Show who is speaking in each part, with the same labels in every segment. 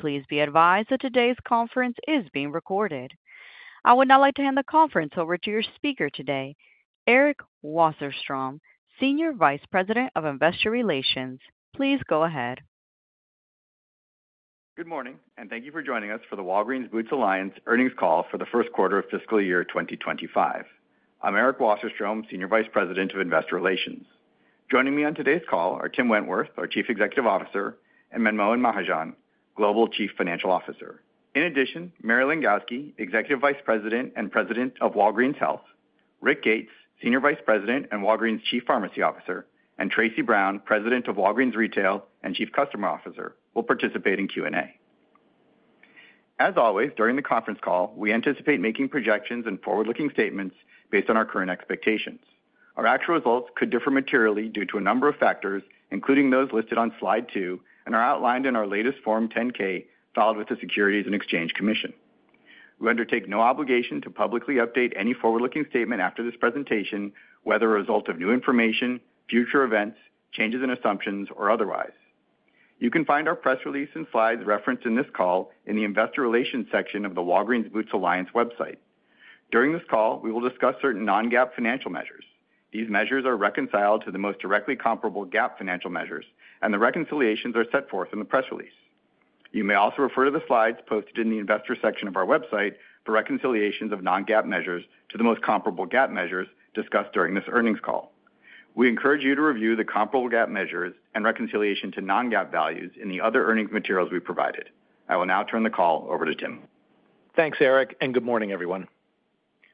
Speaker 1: Please be advised that today's conference is being recorded. I would now like to hand the conference over to your speaker today, Eric Wasserstrom, Senior Vice President of Investor Relations. Please go ahead.
Speaker 2: Good morning, and thank you for joining us for the Walgreens Boots Alliance earnings call for the first quarter of fiscal year 2025. I'm Eric Wasserstrom, Senior Vice President of Investor Relations. Joining me on today's call are Tim Wentworth, our Chief Executive Officer, and Manmohan Mahajan, Global Chief Financial Officer. In addition, Mary Langowski, Executive Vice President and President of Walgreens Health; Rick Gates, Senior Vice President and Walgreens Chief Pharmacy Officer; and Tracey Brown, President of Walgreens Retail and Chief Customer Officer, will participate in Q&A. As always, during the conference call, we anticipate making projections and forward-looking statements based on our current expectations. Our actual results could differ materially due to a number of factors, including those listed on slide two and are outlined in our latest Form 10-K filed with the Securities and Exchange Commission. We undertake no obligation to publicly update any forward-looking statement after this presentation, whether a result of new information, future events, changes in assumptions, or otherwise. You can find our press release and slides referenced in this call in the Investor Relations section of the Walgreens Boots Alliance website. During this call, we will discuss certain non-GAAP financial measures. These measures are reconciled to the most directly comparable GAAP financial measures, and the reconciliations are set forth in the press release. You may also refer to the slides posted in the Investor section of our website for reconciliations of non-GAAP measures to the most comparable GAAP measures discussed during this earnings call. We encourage you to review the comparable GAAP measures and reconciliation to non-GAAP values in the other earnings materials we provided. I will now turn the call over to Tim.
Speaker 3: Thanks, Eric, and good morning, everyone.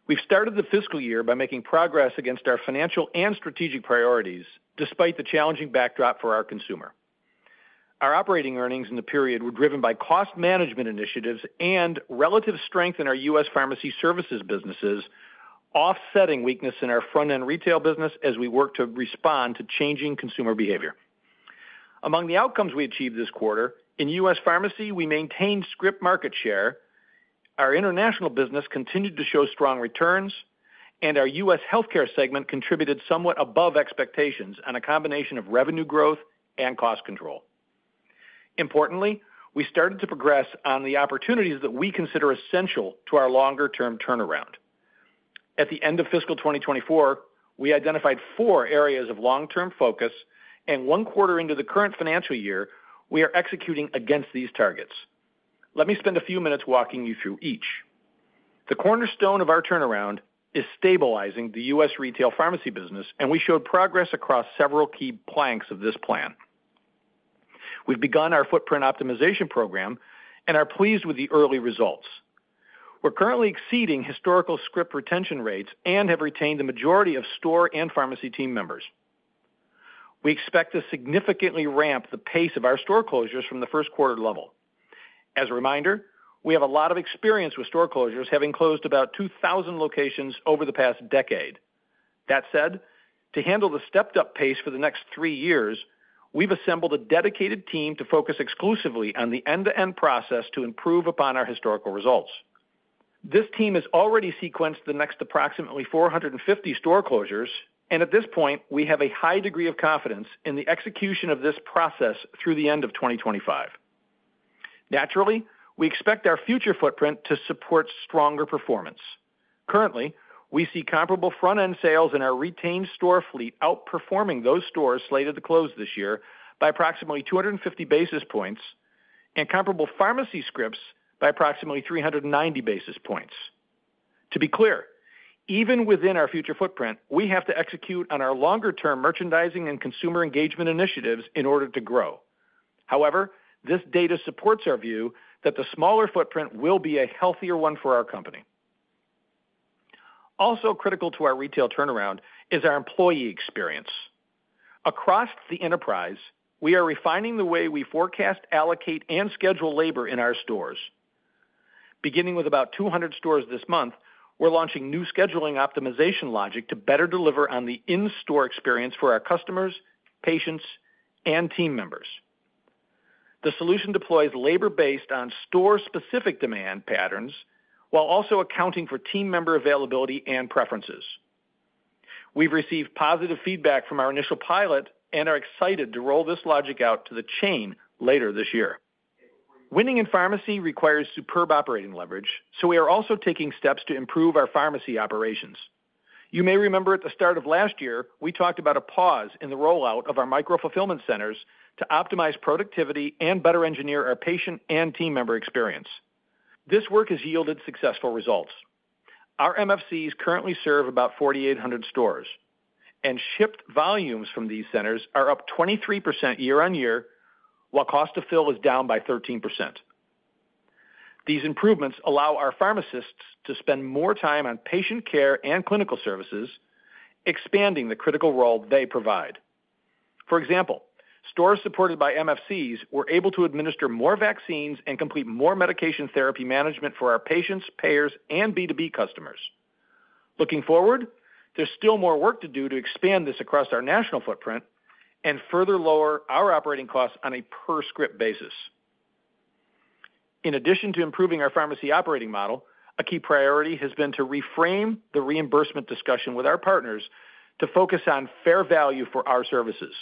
Speaker 3: We've started the fiscal year by making progress against our financial and strategic priorities, despite the challenging backdrop for our consumer. Our operating earnings in the period were driven by cost management initiatives and relative strength in our U.S. pharmacy services businesses, offsetting weakness in our front-end retail business as we work to respond to changing consumer behavior. Among the outcomes we achieved this quarter, in U.S. pharmacy, we maintained script market share, our international business continued to show strong returns, and our U.S. healthcare segment contributed somewhat above expectations on a combination of revenue growth and cost control. Importantly, we started to progress on the opportunities that we consider essential to our longer-term turnaround. At the end of fiscal 2024, we identified four areas of long-term focus, and one quarter into the current financial year, we are executing against these targets. Let me spend a few minutes walking you through each. The cornerstone of our turnaround is stabilizing the U.S. retail pharmacy business, and we showed progress across several key planks of this plan. We've begun our footprint optimization program and are pleased with the early results. We're currently exceeding historical script retention rates and have retained the majority of store and pharmacy team members. We expect to significantly ramp the pace of our store closures from the first quarter level. As a reminder, we have a lot of experience with store closures, having closed about 2,000 locations over the past decade. That said, to handle the stepped-up pace for the next three years, we've assembled a dedicated team to focus exclusively on the end-to-end process to improve upon our historical results. This team has already sequenced the next approximately 450 store closures, and at this point, we have a high degree of confidence in the execution of this process through the end of 2025. Naturally, we expect our future footprint to support stronger performance. Currently, we see comparable front-end sales in our retained store fleet outperforming those stores slated to close this year by approximately 250 basis points and comparable pharmacy scripts by approximately 390 basis points. To be clear, even within our future footprint, we have to execute on our longer-term merchandising and consumer engagement initiatives in order to grow. However, this data supports our view that the smaller footprint will be a healthier one for our company. Also critical to our retail turnaround is our employee experience. Across the enterprise, we are refining the way we forecast, allocate, and schedule labor in our stores. Beginning with about 200 stores this month, we're launching new scheduling optimization logic to better deliver on the in-store experience for our customers, patients, and team members. The solution deploys labor based on store-specific demand patterns while also accounting for team member availability and preferences. We've received positive feedback from our initial pilot and are excited to roll this logic out to the chain later this year. Winning in pharmacy requires superb operating leverage, so we are also taking steps to improve our pharmacy operations. You may remember at the start of last year, we talked about a pause in the rollout of our micro-fulfillment centers to optimize productivity and better engineer our patient and team member experience. This work has yielded successful results. Our MFCs currently serve about 4,800 stores, and shipped volumes from these centers are up 23% year-on-year, while cost of fill is down by 13%. These improvements allow our pharmacists to spend more time on patient care and clinical services, expanding the critical role they provide. For example, stores supported by MFCs were able to administer more vaccines and complete more medication therapy management for our patients, payers, and B2B customers. Looking forward, there's still more work to do to expand this across our national footprint and further lower our operating costs on a per-script basis. In addition to improving our pharmacy operating model, a key priority has been to reframe the reimbursement discussion with our partners to focus on fair value for our services.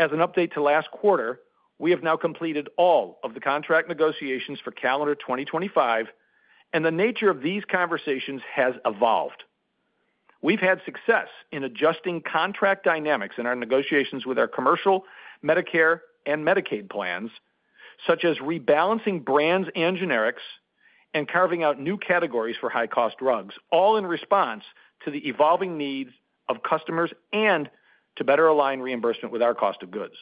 Speaker 3: As an update to last quarter, we have now completed all of the contract negotiations for calendar 2025, and the nature of these conversations has evolved. We've had success in adjusting contract dynamics in our negotiations with our commercial, Medicare, and Medicaid plans, such as rebalancing brands and generics and carving out new categories for high-cost drugs, all in response to the evolving needs of customers and to better align reimbursement with our cost of goods.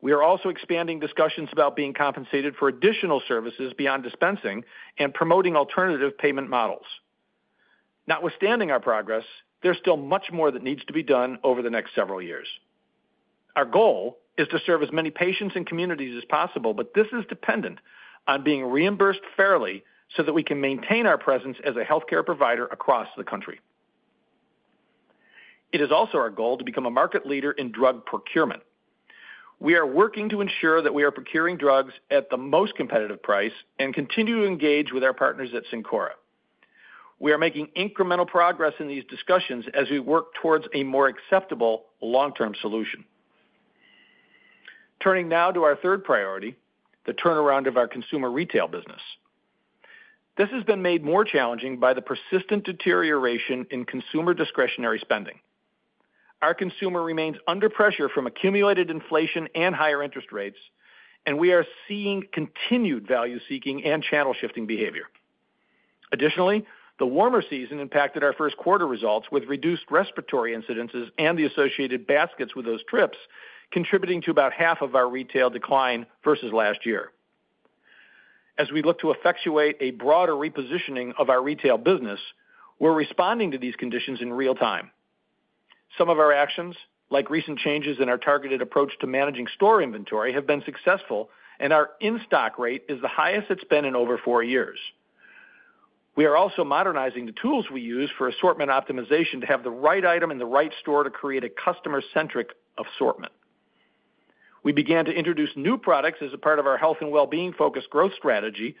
Speaker 3: We are also expanding discussions about being compensated for additional services beyond dispensing and promoting alternative payment models. Notwithstanding our progress, there's still much more that needs to be done over the next several years. Our goal is to serve as many patients and communities as possible, but this is dependent on being reimbursed fairly so that we can maintain our presence as a healthcare provider across the country. It is also our goal to become a market leader in drug procurement. We are working to ensure that we are procuring drugs at the most competitive price and continue to engage with our partners at Cencora. We are making incremental progress in these discussions as we work towards a more acceptable long-term solution. Turning now to our third priority, the turnaround of our consumer retail business. This has been made more challenging by the persistent deterioration in consumer discretionary spending. Our consumer remains under pressure from accumulated inflation and higher interest rates, and we are seeing continued value-seeking and channel-shifting behavior. Additionally, the warmer season impacted our first quarter results with reduced respiratory incidences and the associated baskets with those trips, contributing to about half of our retail decline versus last year. As we look to effectuate a broader repositioning of our retail business, we're responding to these conditions in real time. Some of our actions, like recent changes in our targeted approach to managing store inventory, have been successful, and our in-stock rate is the highest it's been in over four years. We are also modernizing the tools we use for assortment optimization to have the right item in the right store to create a customer-centric assortment. We began to introduce new products as a part of our health and well-being-focused growth strategy,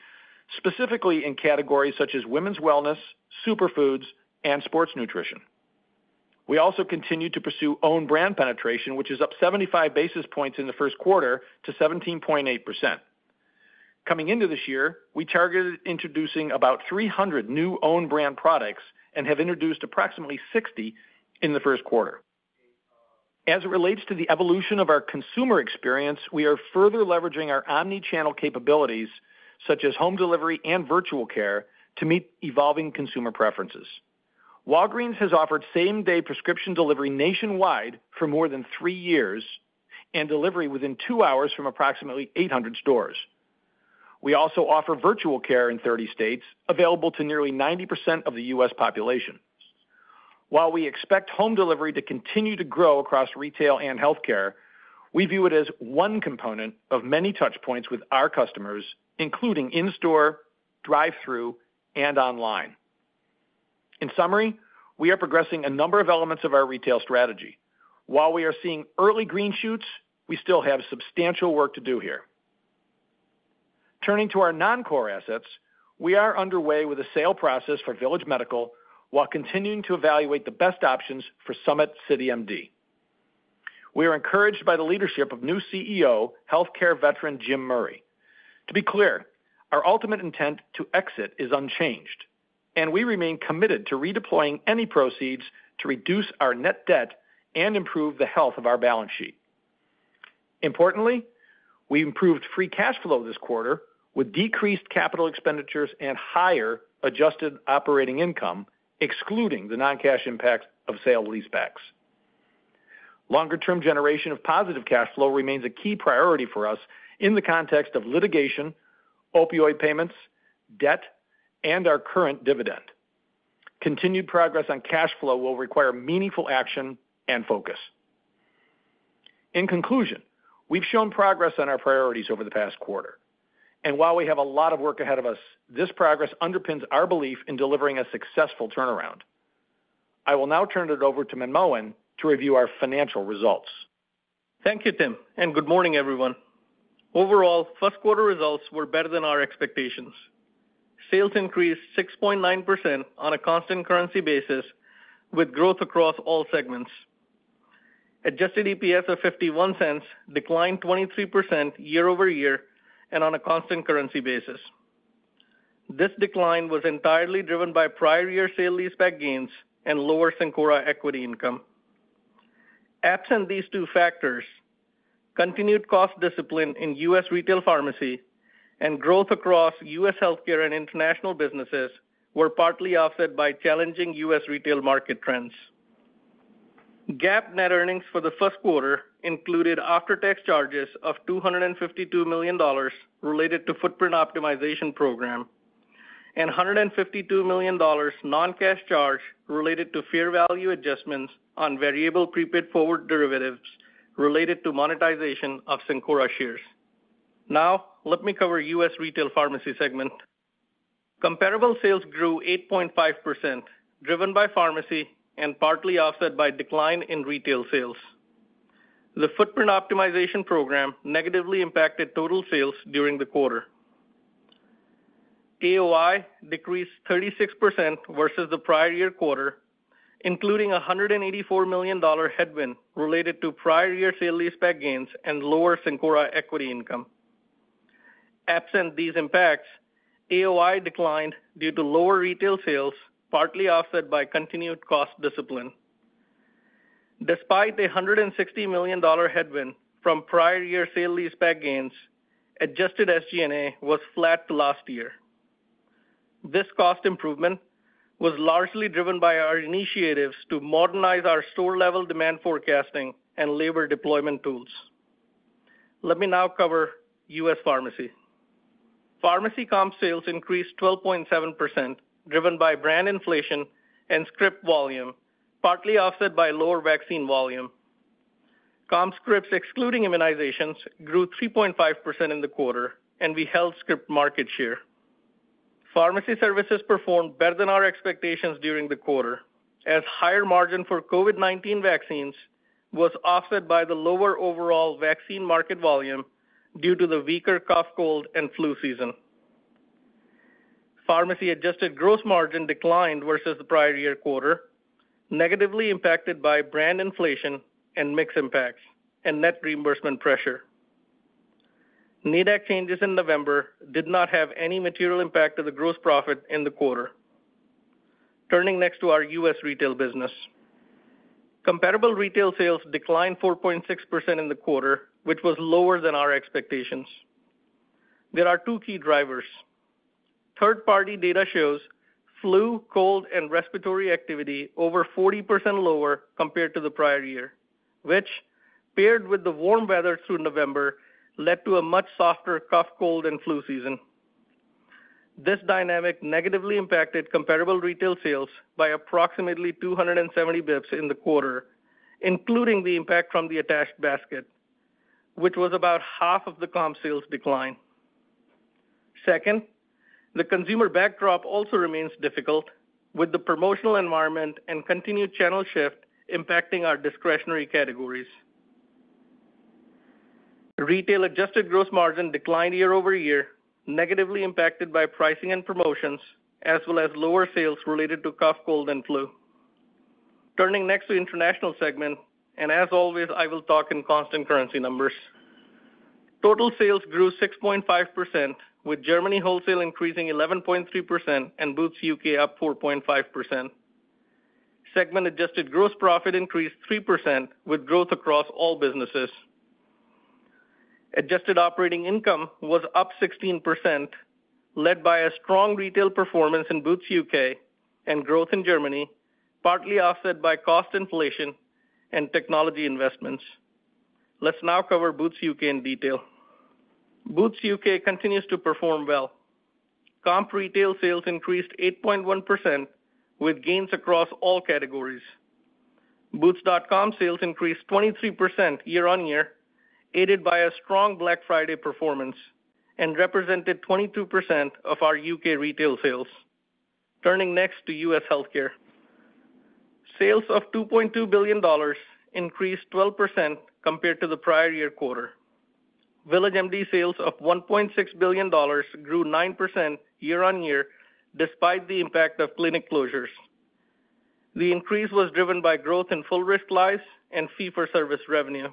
Speaker 3: specifically in categories such as women's wellness, superfoods, and sports nutrition. We also continue to pursue own brand penetration, which is up 75 basis points in the first quarter to 17.8%. Coming into this year, we targeted introducing about 300 new own-brand products and have introduced approximately 60 in the first quarter. As it relates to the evolution of our consumer experience, we are further leveraging our omnichannel capabilities, such as home delivery and virtual care, to meet evolving consumer preferences. Walgreens has offered same-day prescription delivery nationwide for more than three years and delivery within two hours from approximately 800 stores. We also offer virtual care in 30 states, available to nearly 90% of the U.S. population. While we expect home delivery to continue to grow across retail and healthcare, we view it as one component of many touchpoints with our customers, including in-store, drive-through, and online. In summary, we are progressing a number of elements of our retail strategy. While we are seeing early green shoots, we still have substantial work to do here. Turning to our non-core assets, we are underway with a sale process for Village Medical while continuing to evaluate the best options for Summit CityMD. We are encouraged by the leadership of new CEO, healthcare veteran Jim Murray. To be clear, our ultimate intent to exit is unchanged, and we remain committed to redeploying any proceeds to reduce our net debt and improve the health of our balance sheet. Importantly, we improved free cash flow this quarter with decreased capital expenditures and higher adjusted operating income, excluding the non-cash impact of sale-leasebacks. Longer-term generation of positive cash flow remains a key priority for us in the context of litigation, opioid payments, debt, and our current dividend. Continued progress on cash flow will require meaningful action and focus. In conclusion, we've shown progress on our priorities over the past quarter, and while we have a lot of work ahead of us, this progress underpins our belief in delivering a successful turnaround. I will now turn it over to Manmohan to review our financial results.
Speaker 4: Thank you, Tim, and good morning, everyone. Overall, first quarter results were better than our expectations. Sales increased 6.9% on a constant currency basis, with growth across all segments. Adjusted EPS of $0.51 declined 23% year-over-year and on a constant currency basis. This decline was entirely driven by prior year sale-leaseback gains and lower Cencora equity income. Absent these two factors, continued cost discipline in U.S. retail pharmacy and growth across U.S. healthcare and international businesses were partly offset by challenging U.S. retail market trends. GAAP net earnings for the first quarter included after-tax charges of $252 million related to the footprint optimization program and $152 million non-cash charge related to fair value adjustments on variable prepaid forward derivatives related to monetization of Cencora shares. Now, let me cover the U.S. retail pharmacy segment. Comparable sales grew 8.5%, driven by pharmacy and partly offset by decline in retail sales. The footprint optimization program negatively impacted total sales during the quarter. AOI decreased 36% versus the prior year quarter, including a $184 million headwind related to prior year sale-leaseback gains and lower Cencora equity income. Absent these impacts, AOI declined due to lower retail sales, partly offset by continued cost discipline. Despite the $160 million headwind from prior year sale-leaseback gains, adjusted SG&A was flat last year. This cost improvement was largely driven by our initiatives to modernize our store-level demand forecasting and labor deployment tools. Let me now cover U.S. pharmacy. Pharmacy comp sales increased 12.7%, driven by brand inflation and script volume, partly offset by lower vaccine volume. Comp scripts, excluding immunizations, grew 3.5% in the quarter, and we held script market share. Pharmacy services performed better than our expectations during the quarter, as higher margin for COVID-19 vaccines was offset by the lower overall vaccine market volume due to the weaker cough, cold, and flu season. Pharmacy adjusted gross margin declined versus the prior year quarter, negatively impacted by brand inflation and mix impacts and net reimbursement pressure. NADAC changes in November did not have any material impact on the gross profit in the quarter. Turning next to our U.S. retail business. Comparable retail sales declined 4.6% in the quarter, which was lower than our expectations. There are two key drivers. Third-party data shows flu, cold, and respiratory activity over 40% lower compared to the prior year, which, paired with the warm weather through November, led to a much softer cough, cold, and flu season. This dynamic negatively impacted comparable retail sales by approximately 270 basis points in the quarter, including the impact from the attached basket, which was about half of the comp sales decline. Second, the consumer backdrop also remains difficult, with the promotional environment and continued channel shift impacting our discretionary categories. Retail adjusted gross margin declined year-over-year, negatively impacted by pricing and promotions, as well as lower sales related to cough, cold, and flu. Turning next to the international segment, and as always, I will talk in constant currency numbers. Total sales grew 6.5%, with Germany wholesale increasing 11.3% and Boots UK up 4.5%. Segment-adjusted gross profit increased 3%, with growth across all businesses. Adjusted operating income was up 16%, led by a strong retail performance in Boots UK and growth in Germany, partly offset by cost inflation and technology investments. Let's now cover Boots UK in detail. Boots UK continues to perform well. Comp retail sales increased 8.1%, with gains across all categories. Boots.com sales increased 23% year-on-year, aided by a strong Black Friday performance, and represented 22% of our UK retail sales. Turning next to U.S. healthcare. Sales of $2.2 billion increased 12% compared to the prior year quarter. VillageMD sales of $1.6 billion grew 9% year-on-year, despite the impact of clinic closures. The increase was driven by growth in full risk lives and fee-for-service revenue.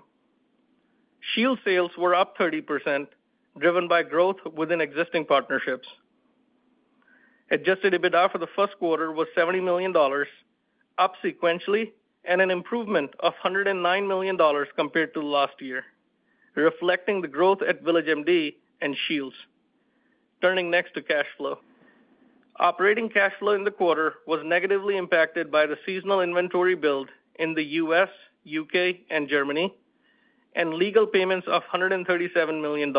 Speaker 4: Shields sales were up 30%, driven by growth within existing partnerships. Adjusted EBITDA for the first quarter was $70 million, up sequentially and an improvement of $109 million compared to last year, reflecting the growth at VillageMD and Shields. Turning next to cash flow. Operating cash flow in the quarter was negatively impacted by the seasonal inventory build in the U.S., U.K., and Germany, and legal payments of $137 million.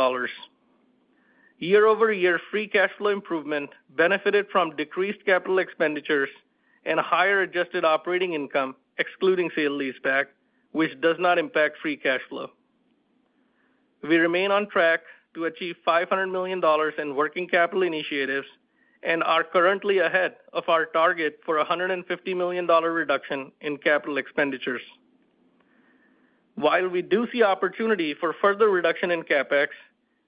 Speaker 4: Year-over-year free cash flow improvement benefited from decreased capital expenditures and higher adjusted operating income, excluding sale-leaseback, which does not impact free cash flow. We remain on track to achieve $500 million in working capital initiatives and are currently ahead of our target for a $150 million reduction in capital expenditures. While we do see opportunity for further reduction in CapEx,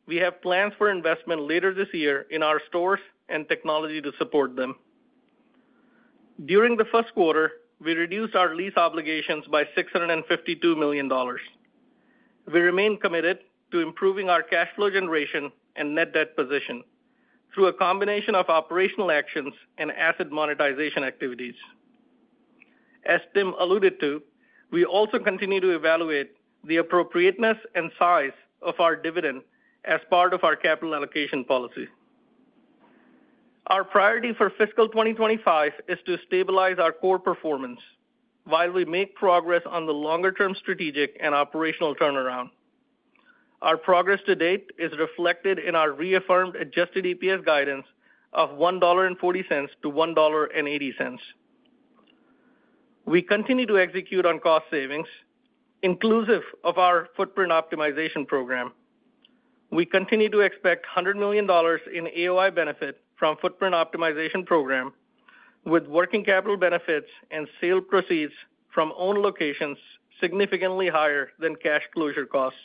Speaker 4: we have plans for investment later this year in our stores and technology to support them. During the first quarter, we reduced our lease obligations by $652 million. We remain committed to improving our cash flow generation and net debt position through a combination of operational actions and asset monetization activities. As Tim alluded to, we also continue to evaluate the appropriateness and size of our dividend as part of our capital allocation policy. Our priority for fiscal 2025 is to stabilize our core performance while we make progress on the longer-term strategic and operational turnaround. Our progress to date is reflected in our reaffirmed adjusted EPS guidance of $1.40-$1.80. We continue to execute on cost savings, inclusive of our footprint optimization program. We continue to expect $100 million in AOI benefit from footprint optimization program, with working capital benefits and sale proceeds from own locations significantly higher than cash closure costs.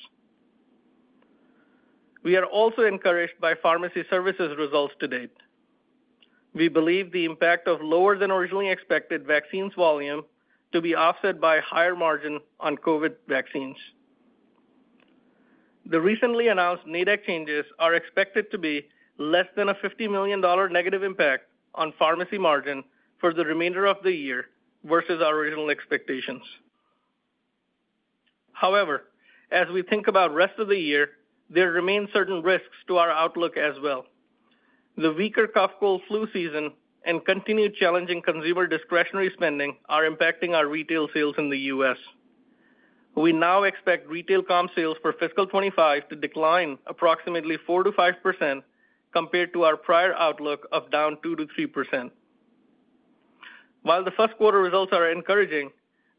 Speaker 4: We are also encouraged by pharmacy services results to date. We believe the impact of lower than originally expected vaccines volume to be offset by higher margin on COVID vaccines. The recently announced NADAC changes are expected to be less than a $50 million negative impact on pharmacy margin for the remainder of the year versus our original expectations. However, as we think about the rest of the year, there remain certain risks to our outlook as well. The weaker cough, cold, flu season and continued challenging consumer discretionary spending are impacting our retail sales in the U.S. We now expect retail comp sales for fiscal 2025 to decline approximately 4%-5% compared to our prior outlook of down 2%-3%. While the first quarter results are encouraging,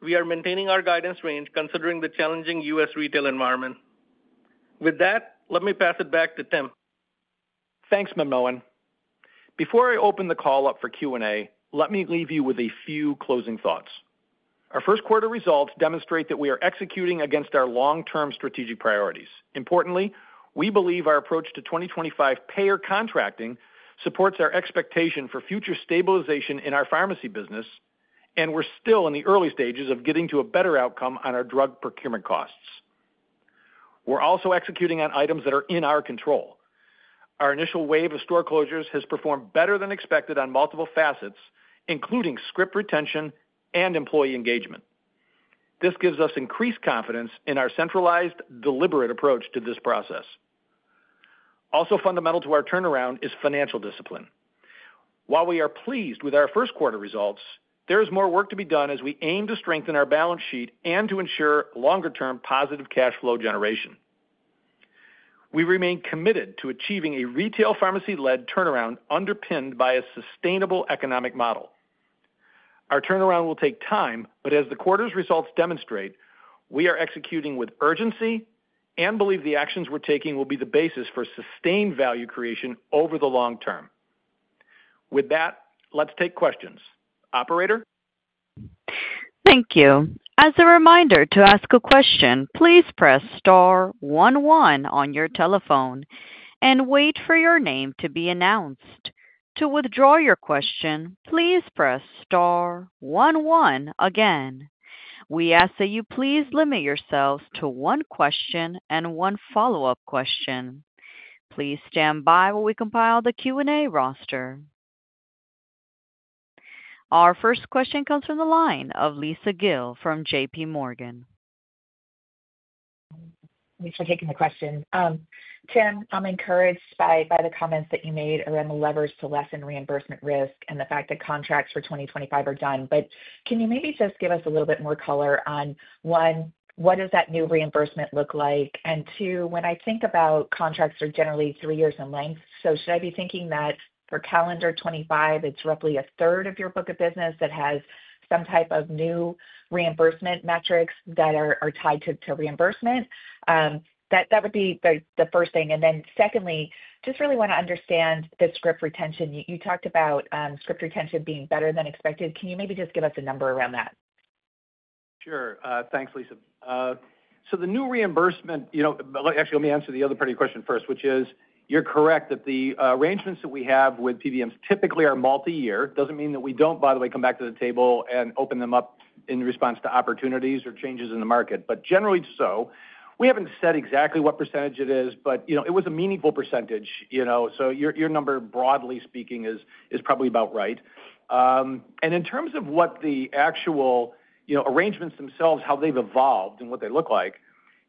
Speaker 4: we are maintaining our guidance range considering the challenging U.S. retail environment. With that, let me pass it back to Tim.
Speaker 3: Thanks, Manmohan. Before I open the call up for Q&A, let me leave you with a few closing thoughts. Our first quarter results demonstrate that we are executing against our long-term strategic priorities. Importantly, we believe our approach to 2025 payer contracting supports our expectation for future stabilization in our pharmacy business, and we're still in the early stages of getting to a better outcome on our drug procurement costs. We're also executing on items that are in our control. Our initial wave of store closures has performed better than expected on multiple facets, including script retention and employee engagement. This gives us increased confidence in our centralized, deliberate approach to this process. Also fundamental to our turnaround is financial discipline. While we are pleased with our first quarter results, there is more work to be done as we aim to strengthen our balance sheet and to ensure longer-term positive cash flow generation. We remain committed to achieving a retail pharmacy-led turnaround underpinned by a sustainable economic model. Our turnaround will take time, but as the quarter's results demonstrate, we are executing with urgency and believe the actions we're taking will be the basis for sustained value creation over the long term. With that, let's take questions. Operator.
Speaker 1: Thank you. As a reminder to ask a question, please press star one one on your telephone and wait for your name to be announced. To withdraw your question, please press star one one again. We ask that you please limit yourselves to one question and one follow-up question. Please stand by while we compile the Q&A roster. Our first question comes from the line of Lisa Gill from JPMorgan.
Speaker 5: Thanks for taking the question. Tim, I'm encouraged by the comments that you made around the levers to lessen reimbursement risk and the fact that contracts for 2025 are done. But can you maybe just give us a little bit more color on, one, what does that new reimbursement look like? And two, when I think about contracts that are generally three years in length, so should I be thinking that for calendar 2025, it's roughly a third of your book of business that has some type of new reimbursement metrics that are tied to reimbursement? That would be the first thing. And then secondly, just really want to understand the script retention. You talked about script retention being better than expected. Can you maybe just give us a number around that?
Speaker 3: Sure. Thanks, Lisa. So the new reimbursement, actually, let me answer the other part of your question first, which is you're correct that the arrangements that we have with PBMs typically are multi-year. It doesn't mean that we don't, by the way, come back to the table and open them up in response to opportunities or changes in the market. But generally so, we haven't said exactly what percentage it is, but it was a meaningful percentage. So your number, broadly speaking, is probably about right. And in terms of what the actual arrangements themselves, how they've evolved and what they look like,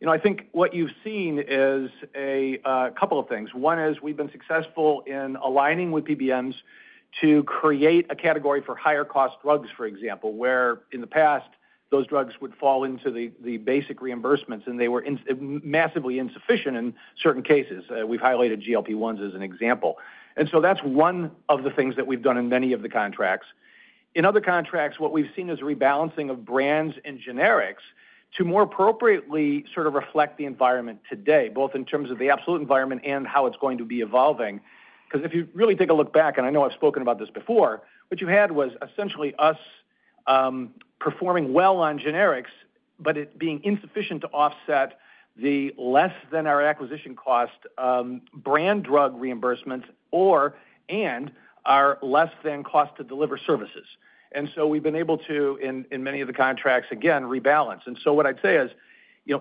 Speaker 3: I think what you've seen is a couple of things. One is we've been successful in aligning with PBMs to create a category for higher-cost drugs, for example, where in the past, those drugs would fall into the basic reimbursements, and they were massively insufficient in certain cases. We've highlighted GLP-1s as an example. And so that's one of the things that we've done in many of the contracts. In other contracts, what we've seen is rebalancing of brands and generics to more appropriately sort of reflect the environment today, both in terms of the absolute environment and how it's going to be evolving. Because if you really take a look back, and I know I've spoken about this before, what you had was essentially us performing well on generics, but it being insufficient to offset the less-than-our-acquisition-cost brand drug reimbursements and our less-than-cost-to-deliver services. And so we've been able to, in many of the contracts, again, rebalance. And so what I'd say is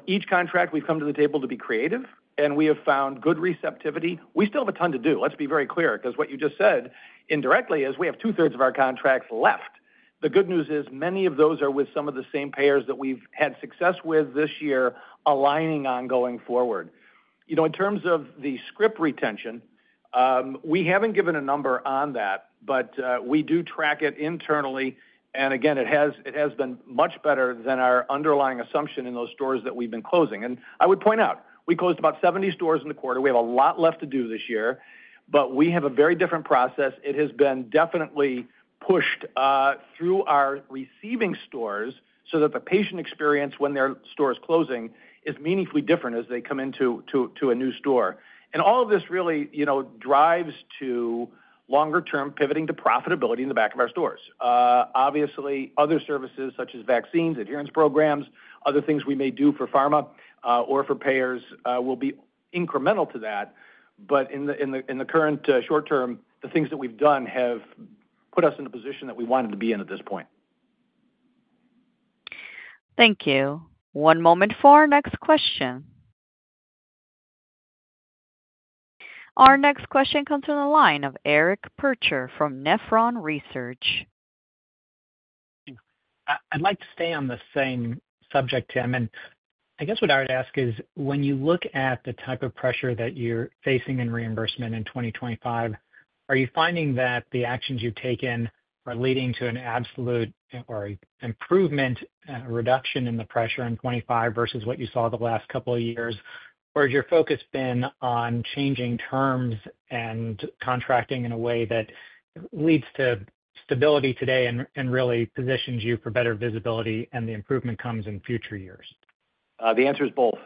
Speaker 3: each contract we've come to the table to be creative, and we have found good receptivity. We still have a ton to do. Let's be very clear, because what you just said indirectly is we have two-thirds of our contracts left. The good news is many of those are with some of the same payers that we've had success with this year aligning on going forward. In terms of the script retention, we haven't given a number on that, but we do track it internally. And again, it has been much better than our underlying assumption in those stores that we've been closing. And I would point out, we closed about 70 stores in the quarter. We have a lot left to do this year, but we have a very different process. It has been definitely pushed through our receiving stores so that the patient experience when their store is closing is meaningfully different as they come into a new store. And all of this really drives to longer-term pivoting to profitability in the back of our stores. Obviously, other services such as vaccines, adherence programs, other things we may do for pharma or for payers will be incremental to that. But in the current short term, the things that we've done have put us in a position that we wanted to be in at this point.
Speaker 1: Thank you. One moment for our next question. Our next question comes from the line of Eric Percher from Nephron Research.
Speaker 6: I'd like to stay on the same subject, Tim. And I guess what I would ask is, when you look at the type of pressure that you're facing in reimbursement in 2025, are you finding that the actions you've taken are leading to an absolute improvement, a reduction in the pressure in 2025 versus what you saw the last couple of years? Or has your focus been on changing terms and contracting in a way that leads to stability today and really positions you for better visibility, and the improvement comes in future years?
Speaker 3: The answer is both.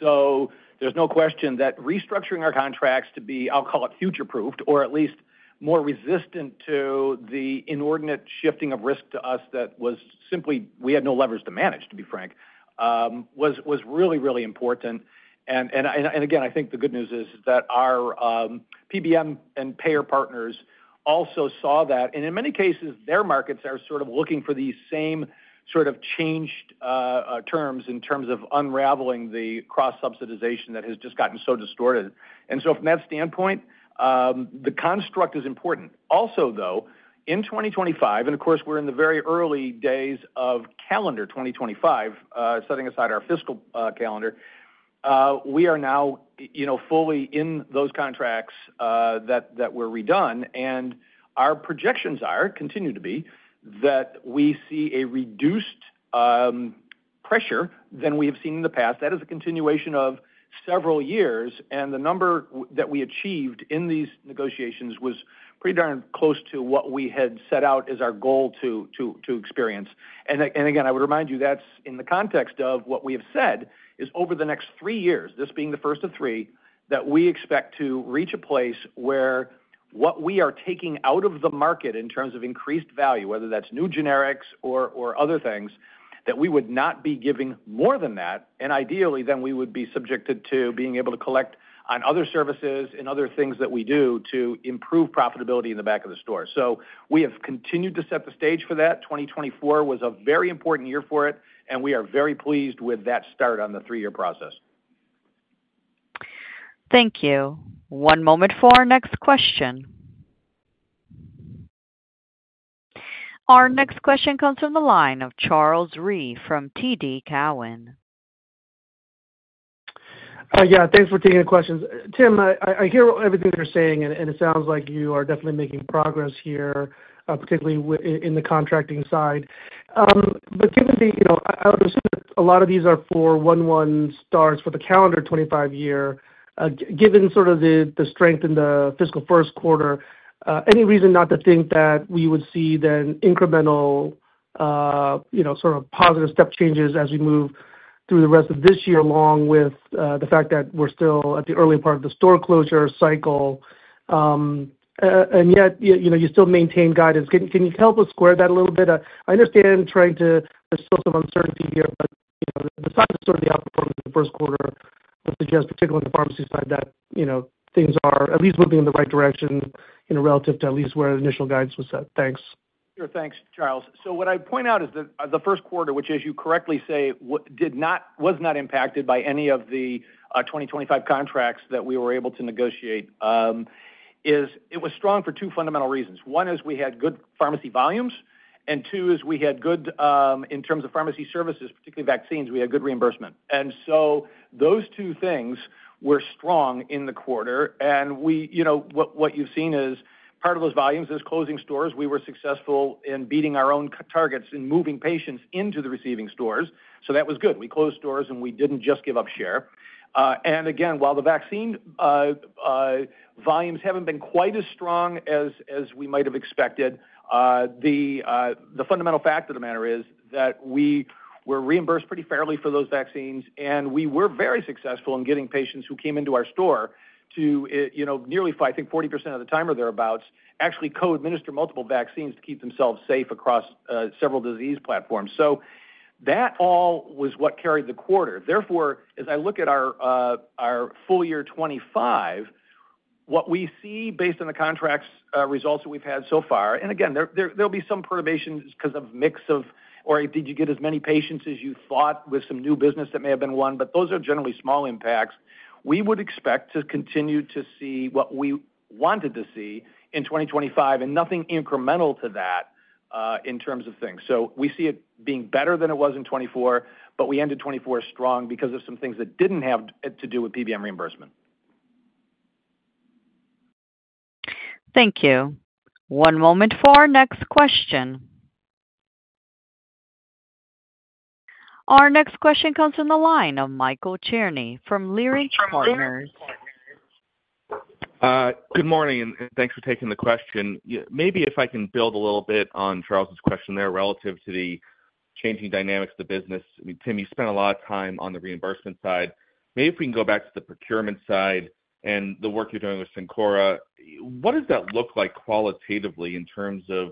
Speaker 3: So there's no question that restructuring our contracts to be, I'll call it, future-proofed, or at least more resistant to the inordinate shifting of risk to us that was simply we had no levers to manage, to be frank, was really, really important. And again, I think the good news is that our PBM and payer partners also saw that. And in many cases, their markets are sort of looking for these same sort of changed terms in terms of unraveling the cross-subsidization that has just gotten so distorted. And so from that standpoint, the construct is important. Also, though, in 2025, and of course, we're in the very early days of calendar 2025, setting aside our fiscal calendar, we are now fully in those contracts that were redone. Our projections continue to be that we see a reduced pressure than we have seen in the past. That is a continuation of several years. The number that we achieved in these negotiations was pretty darn close to what we had set out as our goal to experience. Again, I would remind you that's in the context of what we have said is over the next three years, this being the first of three, that we expect to reach a place where what we are taking out of the market in terms of increased value, whether that's new generics or other things, that we would not be giving more than that. Ideally, then we would be subjected to being able to collect on other services and other things that we do to improve profitability in the back of the store. So we have continued to set the stage for that. 2024 was a very important year for it, and we are very pleased with that start on the three-year process.
Speaker 1: Thank you. One moment for our next question. Our next question comes from the line of Charles Rhyee from TD Cowen.
Speaker 7: Yeah. Thanks for taking the questions. Tim, I hear everything you're saying, and it sounds like you are definitely making progress here, particularly in the contracting side. But given that I would assume that a lot of these are for one-year terms for the calendar 2025 year. Given sort of the strength in the fiscal first quarter, any reason not to think that we would see then incremental sort of positive step changes as we move through the rest of this year, along with the fact that we're still at the early part of the store closure cycle, and yet you still maintain guidance? Can you help us square that a little bit? I understand there's still some uncertainty here, but besides sort of the outcome in the first quarter, I would suggest, particularly on the pharmacy side, that things are at least moving in the right direction relative to at least where the initial guidance was set. Thanks.
Speaker 3: Sure. Thanks, Charles. So what I point out is that the first quarter, which, as you correctly say, was not impacted by any of the 2025 contracts that we were able to negotiate, is it was strong for two fundamental reasons. One is we had good pharmacy volumes, and two is we had good, in terms of pharmacy services, particularly vaccines, we had good reimbursement. And so those two things were strong in the quarter. And what you've seen is part of those volumes is closing stores. We were successful in beating our own targets in moving patients into the receiving stores. So that was good. We closed stores, and we didn't just give up share. And again, while the vaccine volumes haven't been quite as strong as we might have expected, the fundamental fact of the matter is that we were reimbursed pretty fairly for those vaccines, and we were very successful in getting patients who came into our store to nearly, I think, 40% of the time or thereabouts, actually co-administer multiple vaccines to keep themselves safe across several disease platforms. So that all was what carried the quarter. Therefore, as I look at our full year 2025, what we see based on the contracts results that we've had so far, and again, there'll be some perturbations because of mix of, or did you get as many patients as you thought with some new business that may have been won? But those are generally small impacts. We would expect to continue to see what we wanted to see in 2025, and nothing incremental to that in terms of things, so we see it being better than it was in 2024, but we ended 2024 strong because of some things that didn't have to do with PBM reimbursement.
Speaker 1: Thank you. One moment for our next question. Our next question comes from the line of Michael Cherny from Leerink Partners.
Speaker 8: Good morning, and thanks for taking the question. Maybe if I can build a little bit on Charles's question there relative to the changing dynamics of the business. I mean, Tim, you spent a lot of time on the reimbursement side. Maybe if we can go back to the procurement side and the work you're doing with Cencora, what does that look like qualitatively in terms of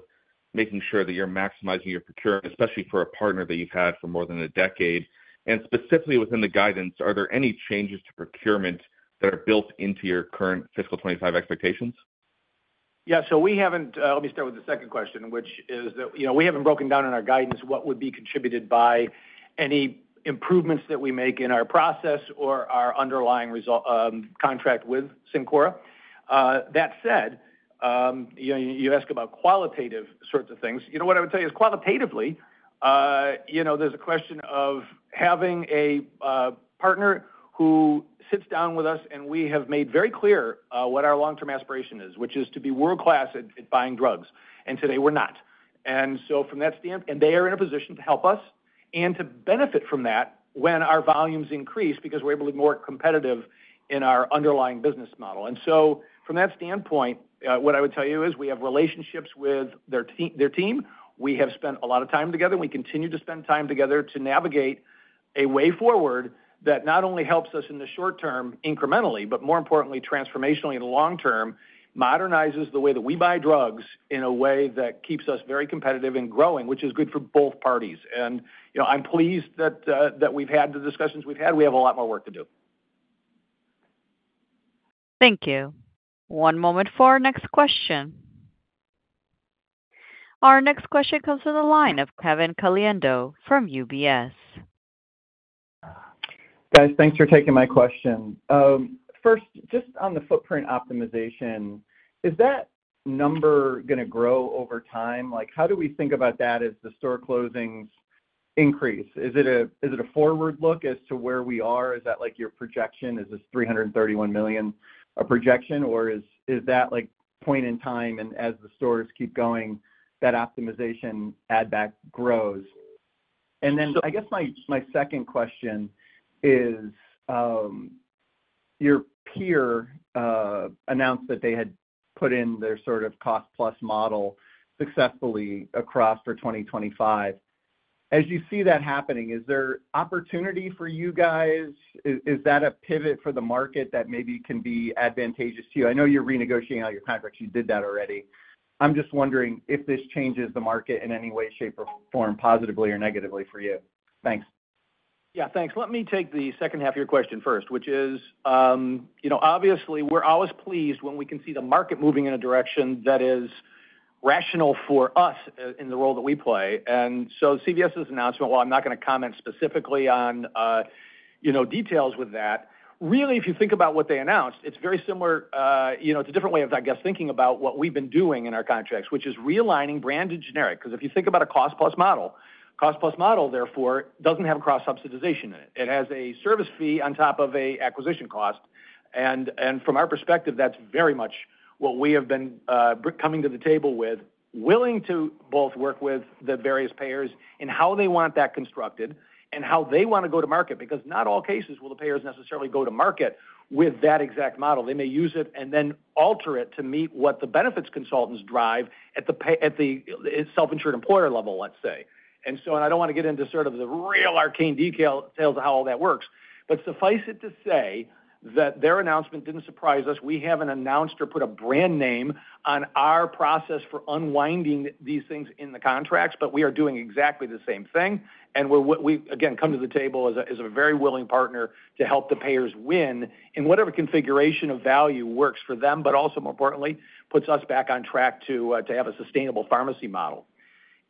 Speaker 8: making sure that you're maximizing your procurement, especially for a partner that you've had for more than a decade? And specifically within the guidance, are there any changes to procurement that are built into your current fiscal 2025 expectations?
Speaker 3: Yeah. So we haven't. Let me start with the second question, which is that we haven't broken down in our guidance what would be contributed by any improvements that we make in our process or our underlying contract with Cencora. That said, you ask about qualitative sorts of things. You know what I would tell you is qualitatively, there's a question of having a partner who sits down with us, and we have made very clear what our long-term aspiration is, which is to be world-class at buying drugs. And today, we're not. And so from that standpoint, and they are in a position to help us and to benefit from that when our volumes increase because we're able to be more competitive in our underlying business model. And so from that standpoint, what I would tell you is we have relationships with their team. We have spent a lot of time together, and we continue to spend time together to navigate a way forward that not only helps us in the short term incrementally, but more importantly, transformationally in the long term, modernizes the way that we buy drugs in a way that keeps us very competitive and growing, which is good for both parties, and I'm pleased that we've had the discussions we've had. We have a lot more work to do.
Speaker 1: Thank you. One moment for our next question. Our next question comes from the line of Kevin Caliendo from UBS.
Speaker 9: Guys, thanks for taking my question. First, just on the footprint optimization, is that number going to grow over time? How do we think about that as the store closings increase? Is it a forward look as to where we are? Is that your projection? Is this $331 million a projection, or is that point in time and as the stores keep going, that optimization add-back grows? And then I guess my second question is your peer announced that they had put in their sort of cost-plus model successfully across for 2025. As you see that happening, is there opportunity for you guys? Is that a pivot for the market that maybe can be advantageous to you? I know you're renegotiating all your contracts. You did that already. I'm just wondering if this changes the market in any way, shape, or form, positively or negatively for you. Thanks.
Speaker 3: Yeah. Thanks. Let me take the second half of your question first, which is obviously, we're always pleased when we can see the market moving in a direction that is rational for us in the role that we play. And so CVS's announcement, while I'm not going to comment specifically on details with that, really, if you think about what they announced, it's very similar to a different way of, I guess, thinking about what we've been doing in our contracts, which is realigning branded generic. Because if you think about a cost-plus model, cost-plus model, therefore, doesn't have cross-subsidization in it. It has a service fee on top of an acquisition cost. And from our perspective, that's very much what we have been coming to the table with, willing to both work with the various payers in how they want that constructed and how they want to go to market. Because not all cases will the payers necessarily go to market with that exact model. They may use it and then alter it to meet what the benefits consultants drive at the self-insured employer level, let's say. And so I don't want to get into sort of the real arcane details of how all that works. But suffice it to say that their announcement didn't surprise us. We haven't announced or put a brand name on our process for unwinding these things in the contracts, but we are doing exactly the same thing. We, again, come to the table as a very willing partner to help the payers win in whatever configuration of value works for them, but also, more importantly, puts us back on track to have a sustainable pharmacy model.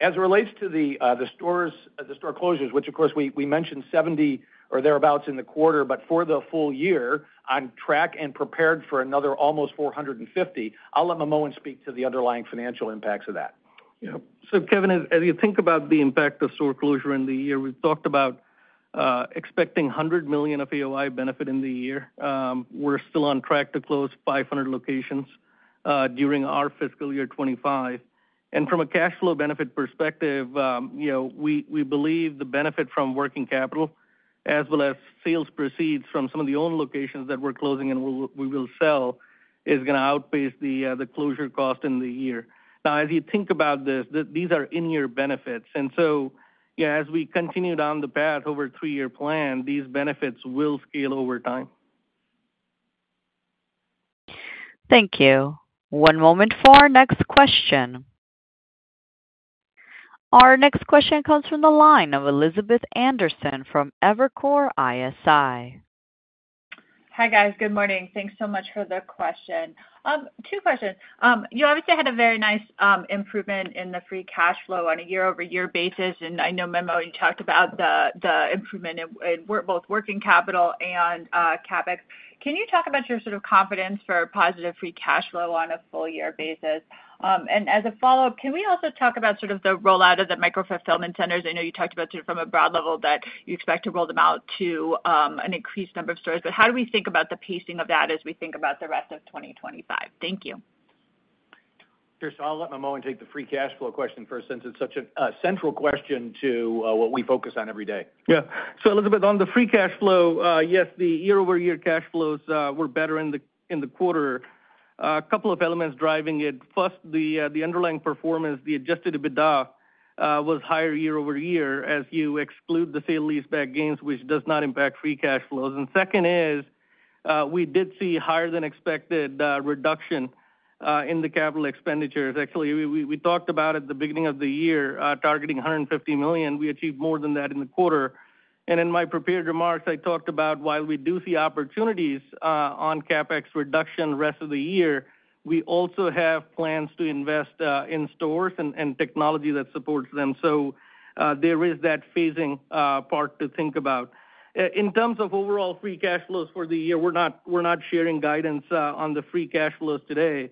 Speaker 3: As it relates to the store closures, which, of course, we mentioned 70 or thereabouts in the quarter, but for the full year, on track and prepared for another almost 450. I'll let Manmohan speak to the underlying financial impacts of that.
Speaker 4: Yeah, so Kevin, as you think about the impact of store closure in the year, we've talked about expecting $100 million of AOI benefit in the year. We're still on track to close 500 locations during our fiscal year 2025, and from a cash flow benefit perspective, we believe the benefit from working capital as well as sales proceeds from some of the owned locations that we're closing and we will sell is going to outpace the closure cost in the year. Now, as you think about this, these are in-year benefits, and so as we continue down the path over a three-year plan, these benefits will scale over time.
Speaker 1: Thank you. One moment for our next question. Our next question comes from the line of Elizabeth Anderson from Evercore ISI.
Speaker 10: Hi guys. Good morning. Thanks so much for the question. Two questions. You obviously had a very nice improvement in the free cash flow on a year-over-year basis. And I know, Manmohan, you talked about the improvement in both working capital and CapEx. Can you talk about your sort of confidence for positive free cash flow on a full-year basis? And as a follow-up, can we also talk about sort of the rollout of the micro-fulfillment centers? I know you talked about sort of from a broad level that you expect to roll them out to an increased number of stores. But how do we think about the pacing of that as we think about the rest of 2025? Thank you.
Speaker 3: Sure. So I'll let Manmohan take the free cash flow question first since it's such a central question to what we focus on every day.
Speaker 4: Yeah. So, Elizabeth, on the free cash flow, yes, the year-over-year cash flows were better in the quarter. A couple of elements driving it. First, the underlying performance, the adjusted EBITDA was higher year-over-year as you exclude the sale-leaseback gains, which does not impact free cash flows. And second is we did see higher-than-expected reduction in the capital expenditures. Actually, we talked about it at the beginning of the year, targeting $150 million. We achieved more than that in the quarter. And in my prepared remarks, I talked about while we do see opportunities on CapEx reduction the rest of the year, we also have plans to invest in stores and technology that supports them. So there is that phasing part to think about. In terms of overall free cash flows for the year, we're not sharing guidance on the free cash flows today.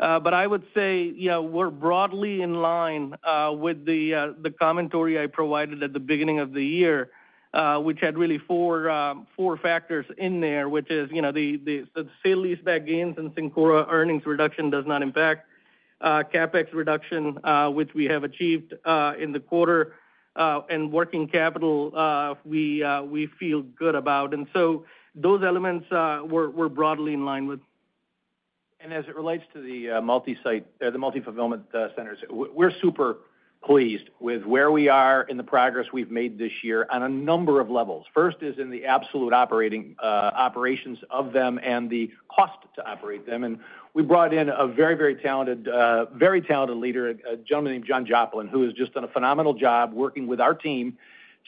Speaker 4: But I would say we're broadly in line with the commentary I provided at the beginning of the year, which had really four factors in there, which is the sale-leaseback gains and Cencora earnings reduction does not impact CapEx reduction, which we have achieved in the quarter, and working capital we feel good about. And so those elements were broadly in line with.
Speaker 3: As it relates to the micro-fulfillment centers, we're super pleased with where we are in the progress we've made this year on a number of levels. First is in the absolute operations of them and the cost to operate them. We brought in a very, very talented leader, a gentleman named John Joplin, who has just done a phenomenal job working with our team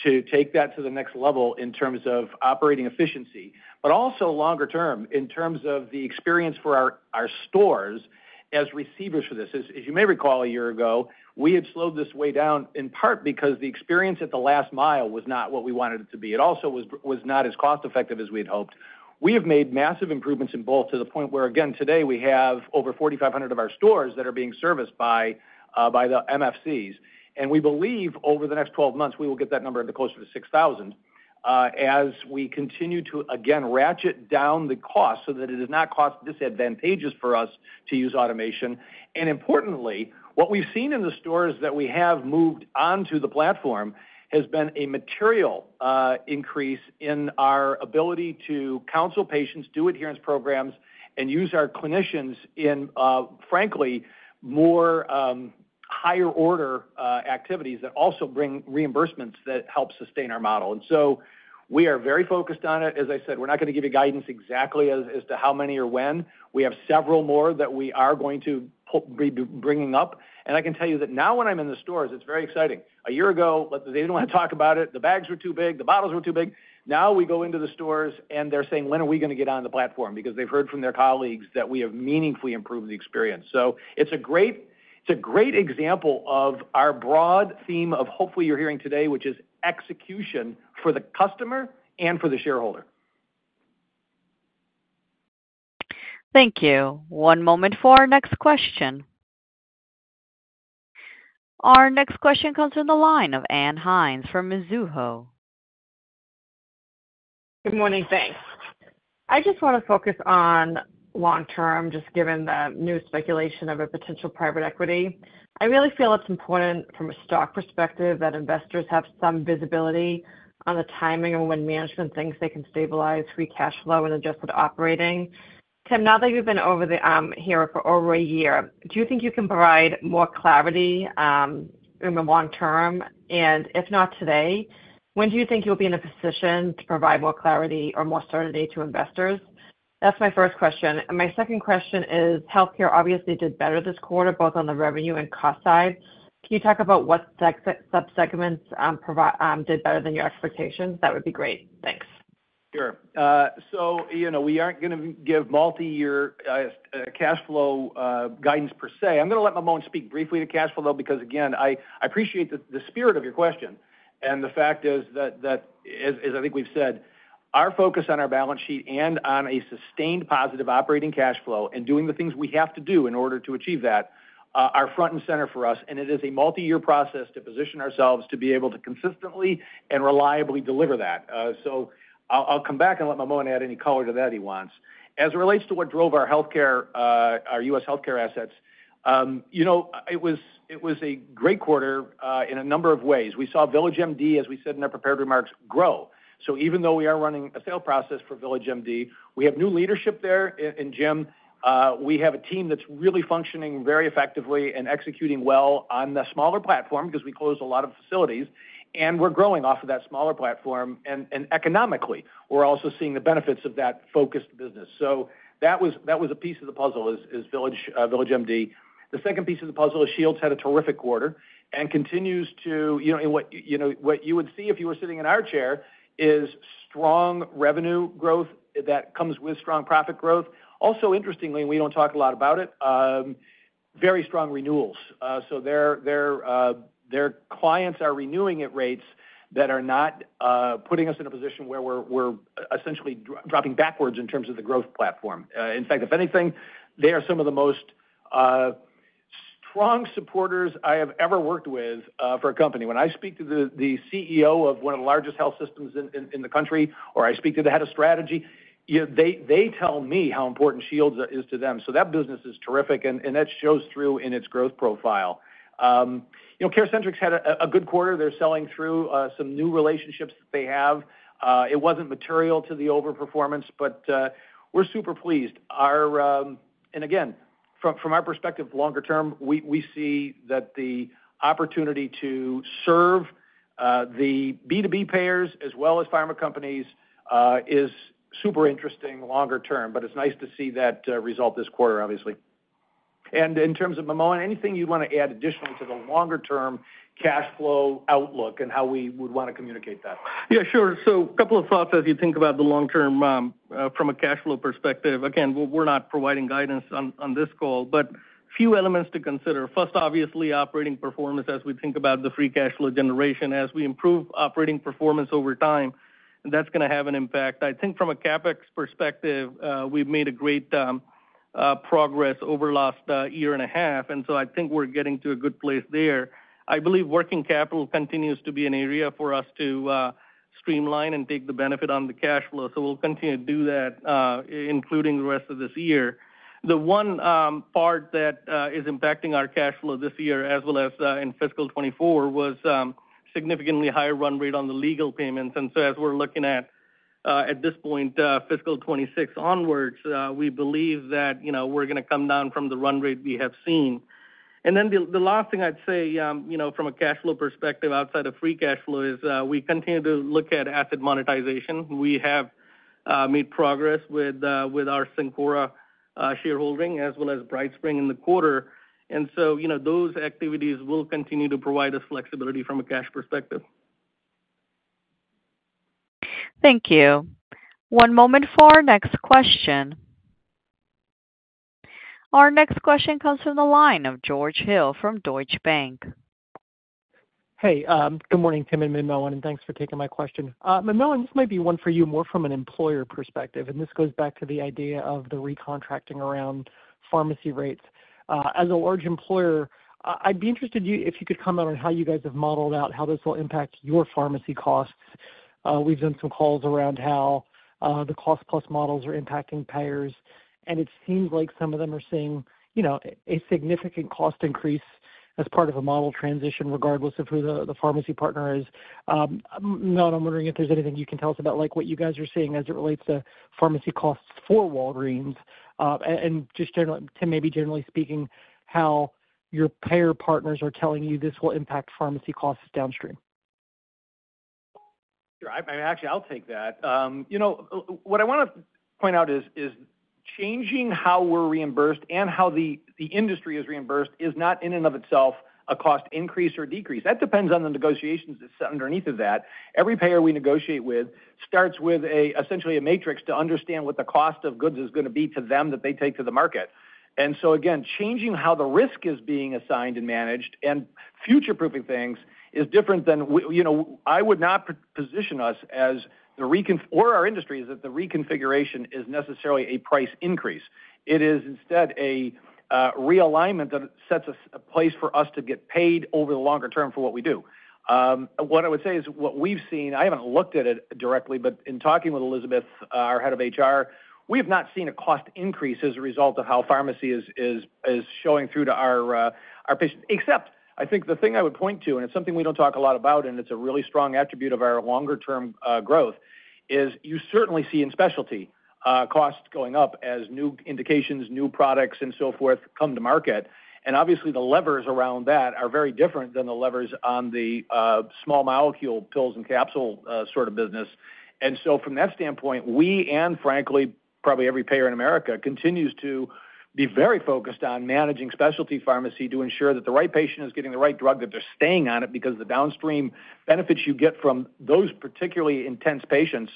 Speaker 3: to take that to the next level in terms of operating efficiency, but also longer term in terms of the experience for our stores as receivers for this. As you may recall, a year ago, we had slowed this way down in part because the experience at the last mile was not what we wanted it to be. It also was not as cost-effective as we had hoped. We have made massive improvements in both to the point where, again, today, we have over 4,500 of our stores that are being serviced by the MFCs. And we believe over the next 12 months, we will get that number to closer to 6,000 as we continue to, again, ratchet down the cost so that it is not cost-disadvantageous for us to use automation. And importantly, what we've seen in the stores that we have moved onto the platform has been a material increase in our ability to counsel patients, do adherence programs, and use our clinicians in, frankly, more higher-order activities that also bring reimbursements that help sustain our model. And so we are very focused on it. As I said, we're not going to give you guidance exactly as to how many or when. We have several more that we are going to be bringing up. I can tell you that now when I'm in the stores, it's very exciting. A year ago, they didn't want to talk about it. The bags were too big. The bottles were too big. Now we go into the stores and they're saying, "When are we going to get on the platform?" Because they've heard from their colleagues that we have meaningfully improved the experience. It's a great example of our broad theme of hopefully you're hearing today, which is execution for the customer and for the shareholder.
Speaker 1: Thank you. One moment for our next question. Our next question comes from the line of Ann Hynes from Mizuho.
Speaker 11: Good morning. Thanks. I just want to focus on long-term, just given the new speculation of a potential private equity. I really feel it's important from a stock perspective that investors have some visibility on the timing and when management thinks they can stabilize free cash flow and adjusted operating. Kevin, now that you've been over here for over a year, do you think you can provide more clarity in the long-term? And if not today, when do you think you'll be in a position to provide more clarity or more certainty to investors? That's my first question. And my second question is healthcare obviously did better this quarter, both on the revenue and cost side. Can you talk about what subsegments did better than your expectations? That would be great. Thanks.
Speaker 3: Sure. So we aren't going to give multi-year cash flow guidance per se. I'm going to let Manmohan speak briefly to cash flow, though, because, again, I appreciate the spirit of your question. And the fact is that, as I think we've said, our focus on our balance sheet and on a sustained positive operating cash flow and doing the things we have to do in order to achieve that are front and center for us. And it is a multi-year process to position ourselves to be able to consistently and reliably deliver that. So I'll come back and let Manmohan add any color to that he wants. As it relates to what drove our U.S. healthcare assets, it was a great quarter in a number of ways. We saw VillageMD, as we said in our prepared remarks, grow. So even though we are running a sale process for VillageMD, we have new leadership there. And Jim, we have a team that's really functioning very effectively and executing well on the smaller platform because we close a lot of facilities. And we're growing off of that smaller platform. And economically, we're also seeing the benefits of that focused business. So that was a piece of the puzzle is VillageMD. The second piece of the puzzle is Shields had a terrific quarter and continues to what you would see if you were sitting in our chair is strong revenue growth that comes with strong profit growth. Also, interestingly, and we don't talk a lot about it, very strong renewals. So their clients are renewing at rates that are not putting us in a position where we're essentially dropping backwards in terms of the growth platform. In fact, if anything, they are some of the most strong supporters I have ever worked with for a company. When I speak to the CEO of one of the largest health systems in the country, or I speak to the head of strategy, they tell me how important Shields is to them. So that business is terrific, and that shows through in its growth profile. CareCentrix had a good quarter. They're selling through some new relationships that they have. It wasn't material to the overperformance, but we're super pleased. And again, from our perspective, longer term, we see that the opportunity to serve the B2B payers as well as pharma companies is super interesting longer term. But it's nice to see that result this quarter, obviously. In terms of Manmohan, anything you'd want to add additionally to the longer-term cash flow outlook and how we would want to communicate that?
Speaker 4: Yeah, sure. So a couple of thoughts as you think about the long-term from a cash flow perspective. Again, we're not providing guidance on this call, but a few elements to consider. First, obviously, operating performance as we think about the free cash flow generation. As we improve operating performance over time, that's going to have an impact. I think from a CapEx perspective, we've made great progress over the last year and a half. And so I think we're getting to a good place there. I believe working capital continues to be an area for us to streamline and take the benefit on the cash flow. So we'll continue to do that, including the rest of this year. The one part that is impacting our cash flow this year, as well as in fiscal 2024, was significantly higher run rate on the legal payments. And so as we're looking at this point, fiscal 2026 onwards, we believe that we're going to come down from the run rate we have seen. And then the last thing I'd say from a cash flow perspective outside of free cash flow is we continue to look at asset monetization. We have made progress with our Cencora shareholding as well as BrightSpring in the quarter. And so those activities will continue to provide us flexibility from a cash perspective.
Speaker 1: Thank you. One moment for our next question. Our next question comes from the line of George Hill from Deutsche Bank.
Speaker 12: Hey, good morning, Tim and Manmohan, and thanks for taking my question. Manmohan, this might be one for you more from an employer perspective. And this goes back to the idea of the recontracting around pharmacy rates. As a large employer, I'd be interested if you could comment on how you guys have modeled out how this will impact your pharmacy costs. We've done some calls around how the cost-plus models are impacting payers. And it seems like some of them are seeing a significant cost increase as part of a model transition, regardless of who the pharmacy partner is. Manmohan, I'm wondering if there's anything you can tell us about what you guys are seeing as it relates to pharmacy costs for Walgreens? And just generally, Tim, maybe generally speaking, how your payer partners are telling you this will impact pharmacy costs downstream?
Speaker 3: Sure. Actually, I'll take that. What I want to point out is changing how we're reimbursed and how the industry is reimbursed is not in and of itself a cost increase or decrease. That depends on the negotiations that sit underneath of that. Every payer we negotiate with starts with essentially a matrix to understand what the cost of goods is going to be to them that they take to the market. And so again, changing how the risk is being assigned and managed and future-proofing things is different than I would not position us as the or our industry as if the reconfiguration is necessarily a price increase. It is instead a realignment that sets a place for us to get paid over the longer term for what we do. What I would say is what we've seen. I haven't looked at it directly, but in talking with Elizabeth, our head of HR, we have not seen a cost increase as a result of how pharmacy is showing through to our patients. Except, I think the thing I would point to, and it's something we don't talk a lot about, and it's a really strong attribute of our longer-term growth, is you certainly see in specialty costs going up as new indications, new products, and so forth come to market, and obviously, the levers around that are very different than the levers on the small molecule pills and capsule sort of business. And so from that standpoint, we and, frankly, probably every payer in America continues to be very focused on managing specialty pharmacy to ensure that the right patient is getting the right drug, that they're staying on it because the downstream benefits you get from those particularly intense patients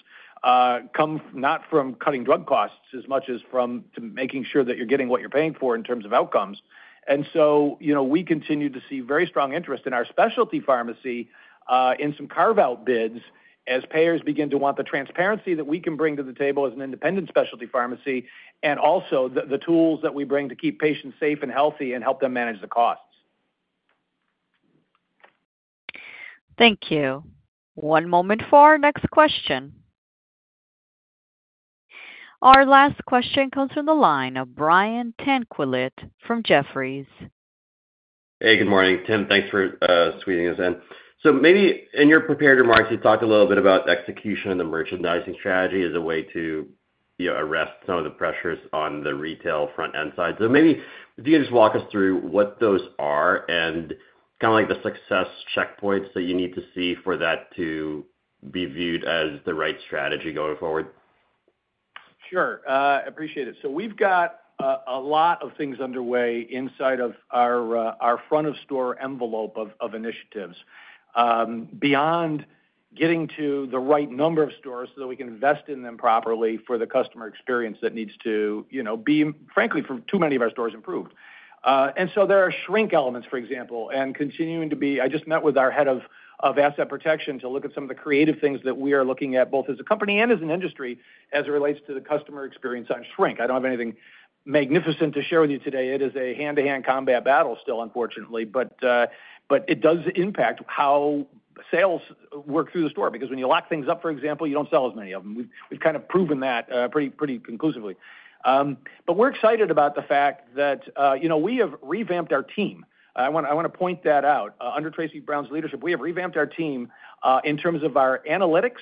Speaker 3: come not from cutting drug costs as much as from making sure that you're getting what you're paying for in terms of outcomes. And so we continue to see very strong interest in our specialty pharmacy in some carve-out bids as payers begin to want the transparency that we can bring to the table as an independent specialty pharmacy and also the tools that we bring to keep patients safe and healthy and help them manage the costs.
Speaker 1: Thank you. One moment for our next question. Our last question comes from the line of Brian Tanquilut from Jefferies.
Speaker 13: Hey, good morning. Tim, thanks for squeezing us in. So maybe in your prepared remarks, you talked a little bit about execution and the merchandising strategy as a way to arrest some of the pressures on the retail front end side. So maybe do you just walk us through what those are and kind of like the success checkpoints that you need to see for that to be viewed as the right strategy going forward?
Speaker 3: Sure. I appreciate it. So we've got a lot of things underway inside of our front-of-store envelope of initiatives beyond getting to the right number of stores so that we can invest in them properly for the customer experience that needs to be, frankly, for too many of our stores improved. And so there are shrink elements, for example, and continuing to be. I just met with our head of asset protection to look at some of the creative things that we are looking at both as a company and as an industry as it relates to the customer experience on shrink. I don't have anything magnificent to share with you today. It is a hand-to-hand combat battle still, unfortunately, but it does impact how sales work through the store because when you lock things up, for example, you don't sell as many of them. We've kind of proven that pretty conclusively. But we're excited about the fact that we have revamped our team. I want to point that out. Under Tracey Brown's leadership, we have revamped our team in terms of our analytics,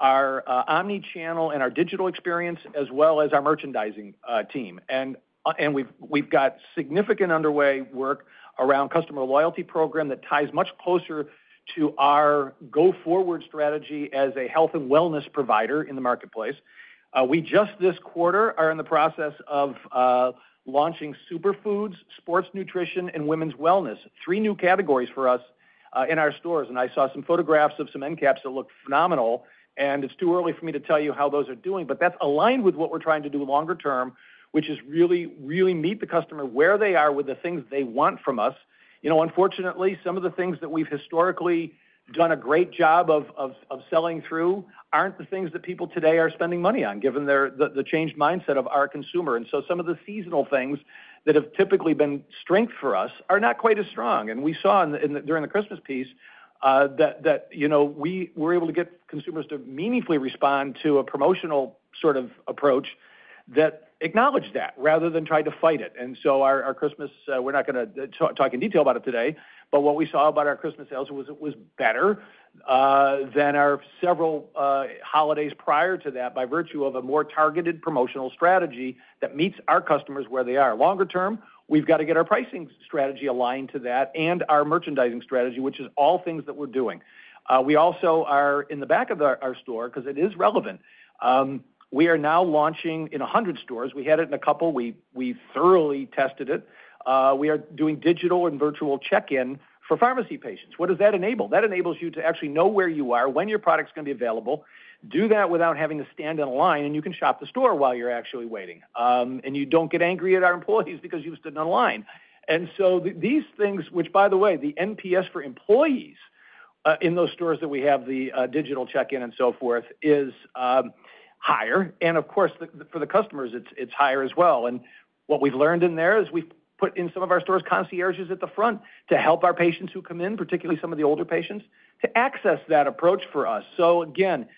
Speaker 3: our omnichannel, and our digital experience, as well as our merchandising team. And we've got significant underway work around a customer loyalty program that ties much closer to our go-forward strategy as a health and wellness provider in the marketplace. We just this quarter are in the process of launching superfoods, sports nutrition, and women's wellness, three new categories for us in our stores. And I saw some photographs of some end caps that look phenomenal. It's too early for me to tell you how those are doing, but that's aligned with what we're trying to do longer term, which is really, really meet the customer where they are with the things they want from us. Unfortunately, some of the things that we've historically done a great job of selling through aren't the things that people today are spending money on, given the changed mindset of our consumer. So some of the seasonal things that have typically been strength for us are not quite as strong. We saw during the Christmas piece that we were able to get consumers to meaningfully respond to a promotional sort of approach that acknowledged that rather than try to fight it. And so, our Christmas—we're not going to talk in detail about it today—but what we saw about our Christmas sales was it was better than our several holidays prior to that by virtue of a more targeted promotional strategy that meets our customers where they are. Longer term, we've got to get our pricing strategy aligned to that and our merchandising strategy, which is all things that we're doing. We also are, in the back of our store, because it is relevant. We are now launching in 100 stores. We had it in a couple. We thoroughly tested it. We are doing digital and virtual check-in for pharmacy patients. What does that enable? That enables you to actually know where you are, when your product's going to be available, do that without having to stand in a line, and you can shop the store while you're actually waiting. And you don't get angry at our employees because you've stood in a line. And so these things, which, by the way, the NPS for employees in those stores that we have the digital check-in and so forth is higher. And of course, for the customers, it's higher as well. And what we've learned in there is we've put in some of our stores concierges at the front to help our patients who come in, particularly some of the older patients, to access that approach for us. So again,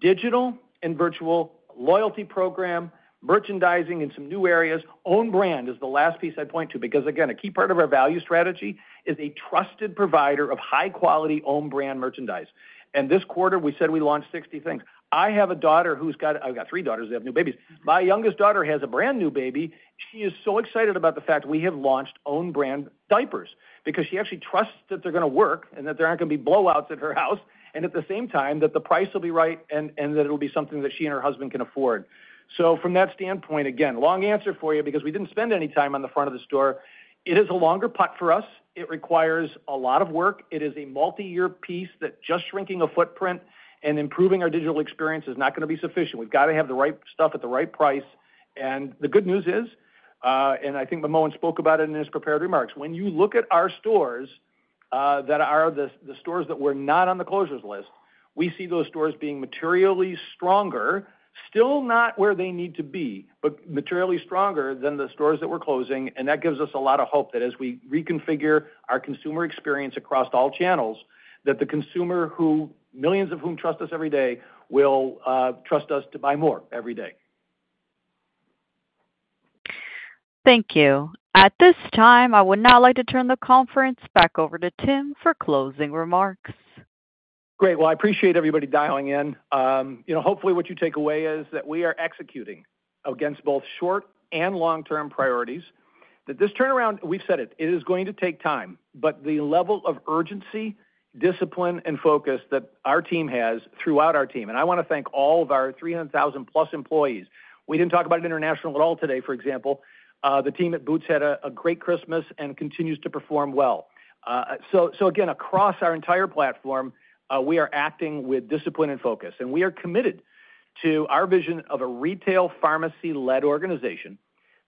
Speaker 3: digital and virtual loyalty program, merchandising in some new areas, own brand is the last piece I'd point to because, again, a key part of our value strategy is a trusted provider of high-quality own-brand merchandise. And this quarter, we said we launched 60 things. I've got three daughters. They have new babies. My youngest daughter has a brand new baby. She is so excited about the fact we have launched own-brand diapers because she actually trusts that they're going to work and that there aren't going to be blowouts at her house and at the same time that the price will be right and that it will be something that she and her husband can afford. So from that standpoint, again, long answer for you because we didn't spend any time on the front of the store. It is a longer putt for us. It requires a lot of work. It is a multi-year piece that just shrinking a footprint and improving our digital experience is not going to be sufficient. We've got to have the right stuff at the right price. The good news is, and I think Manmohan spoke about it in his prepared remarks, when you look at our stores that are the stores that were not on the closures list, we see those stores being materially stronger, still not where they need to be, but materially stronger than the stores that we're closing. And that gives us a lot of hope that as we reconfigure our consumer experience across all channels, that the consumer who millions of whom trust us every day will trust us to buy more every day.
Speaker 1: Thank you. At this time, I would now like to turn the conference back over to Tim for closing remarks.
Speaker 3: Great. Well, I appreciate everybody dialing in. Hopefully, what you take away is that we are executing against both short and long-term priorities, that this turnaround, we've said it, it is going to take time, but the level of urgency, discipline, and focus that our team has throughout our team, and I want to thank all of our 300,000 + employees. We didn't talk about international at all today, for example. The team at Boots had a great Christmas and continues to perform well. So again, across our entire platform, we are acting with discipline and focus, and we are committed to our vision of a retail pharmacy-led organization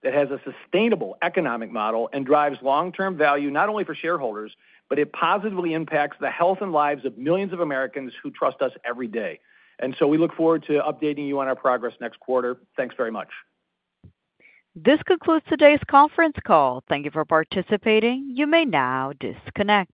Speaker 3: that has a sustainable economic model and drives long-term value not only for shareholders, but it positively impacts the health and lives of millions of Americans who trust us every day. We look forward to updating you on our progress next quarter. Thanks very much.
Speaker 1: This concludes today's conference call. Thank you for participating. You may now disconnect.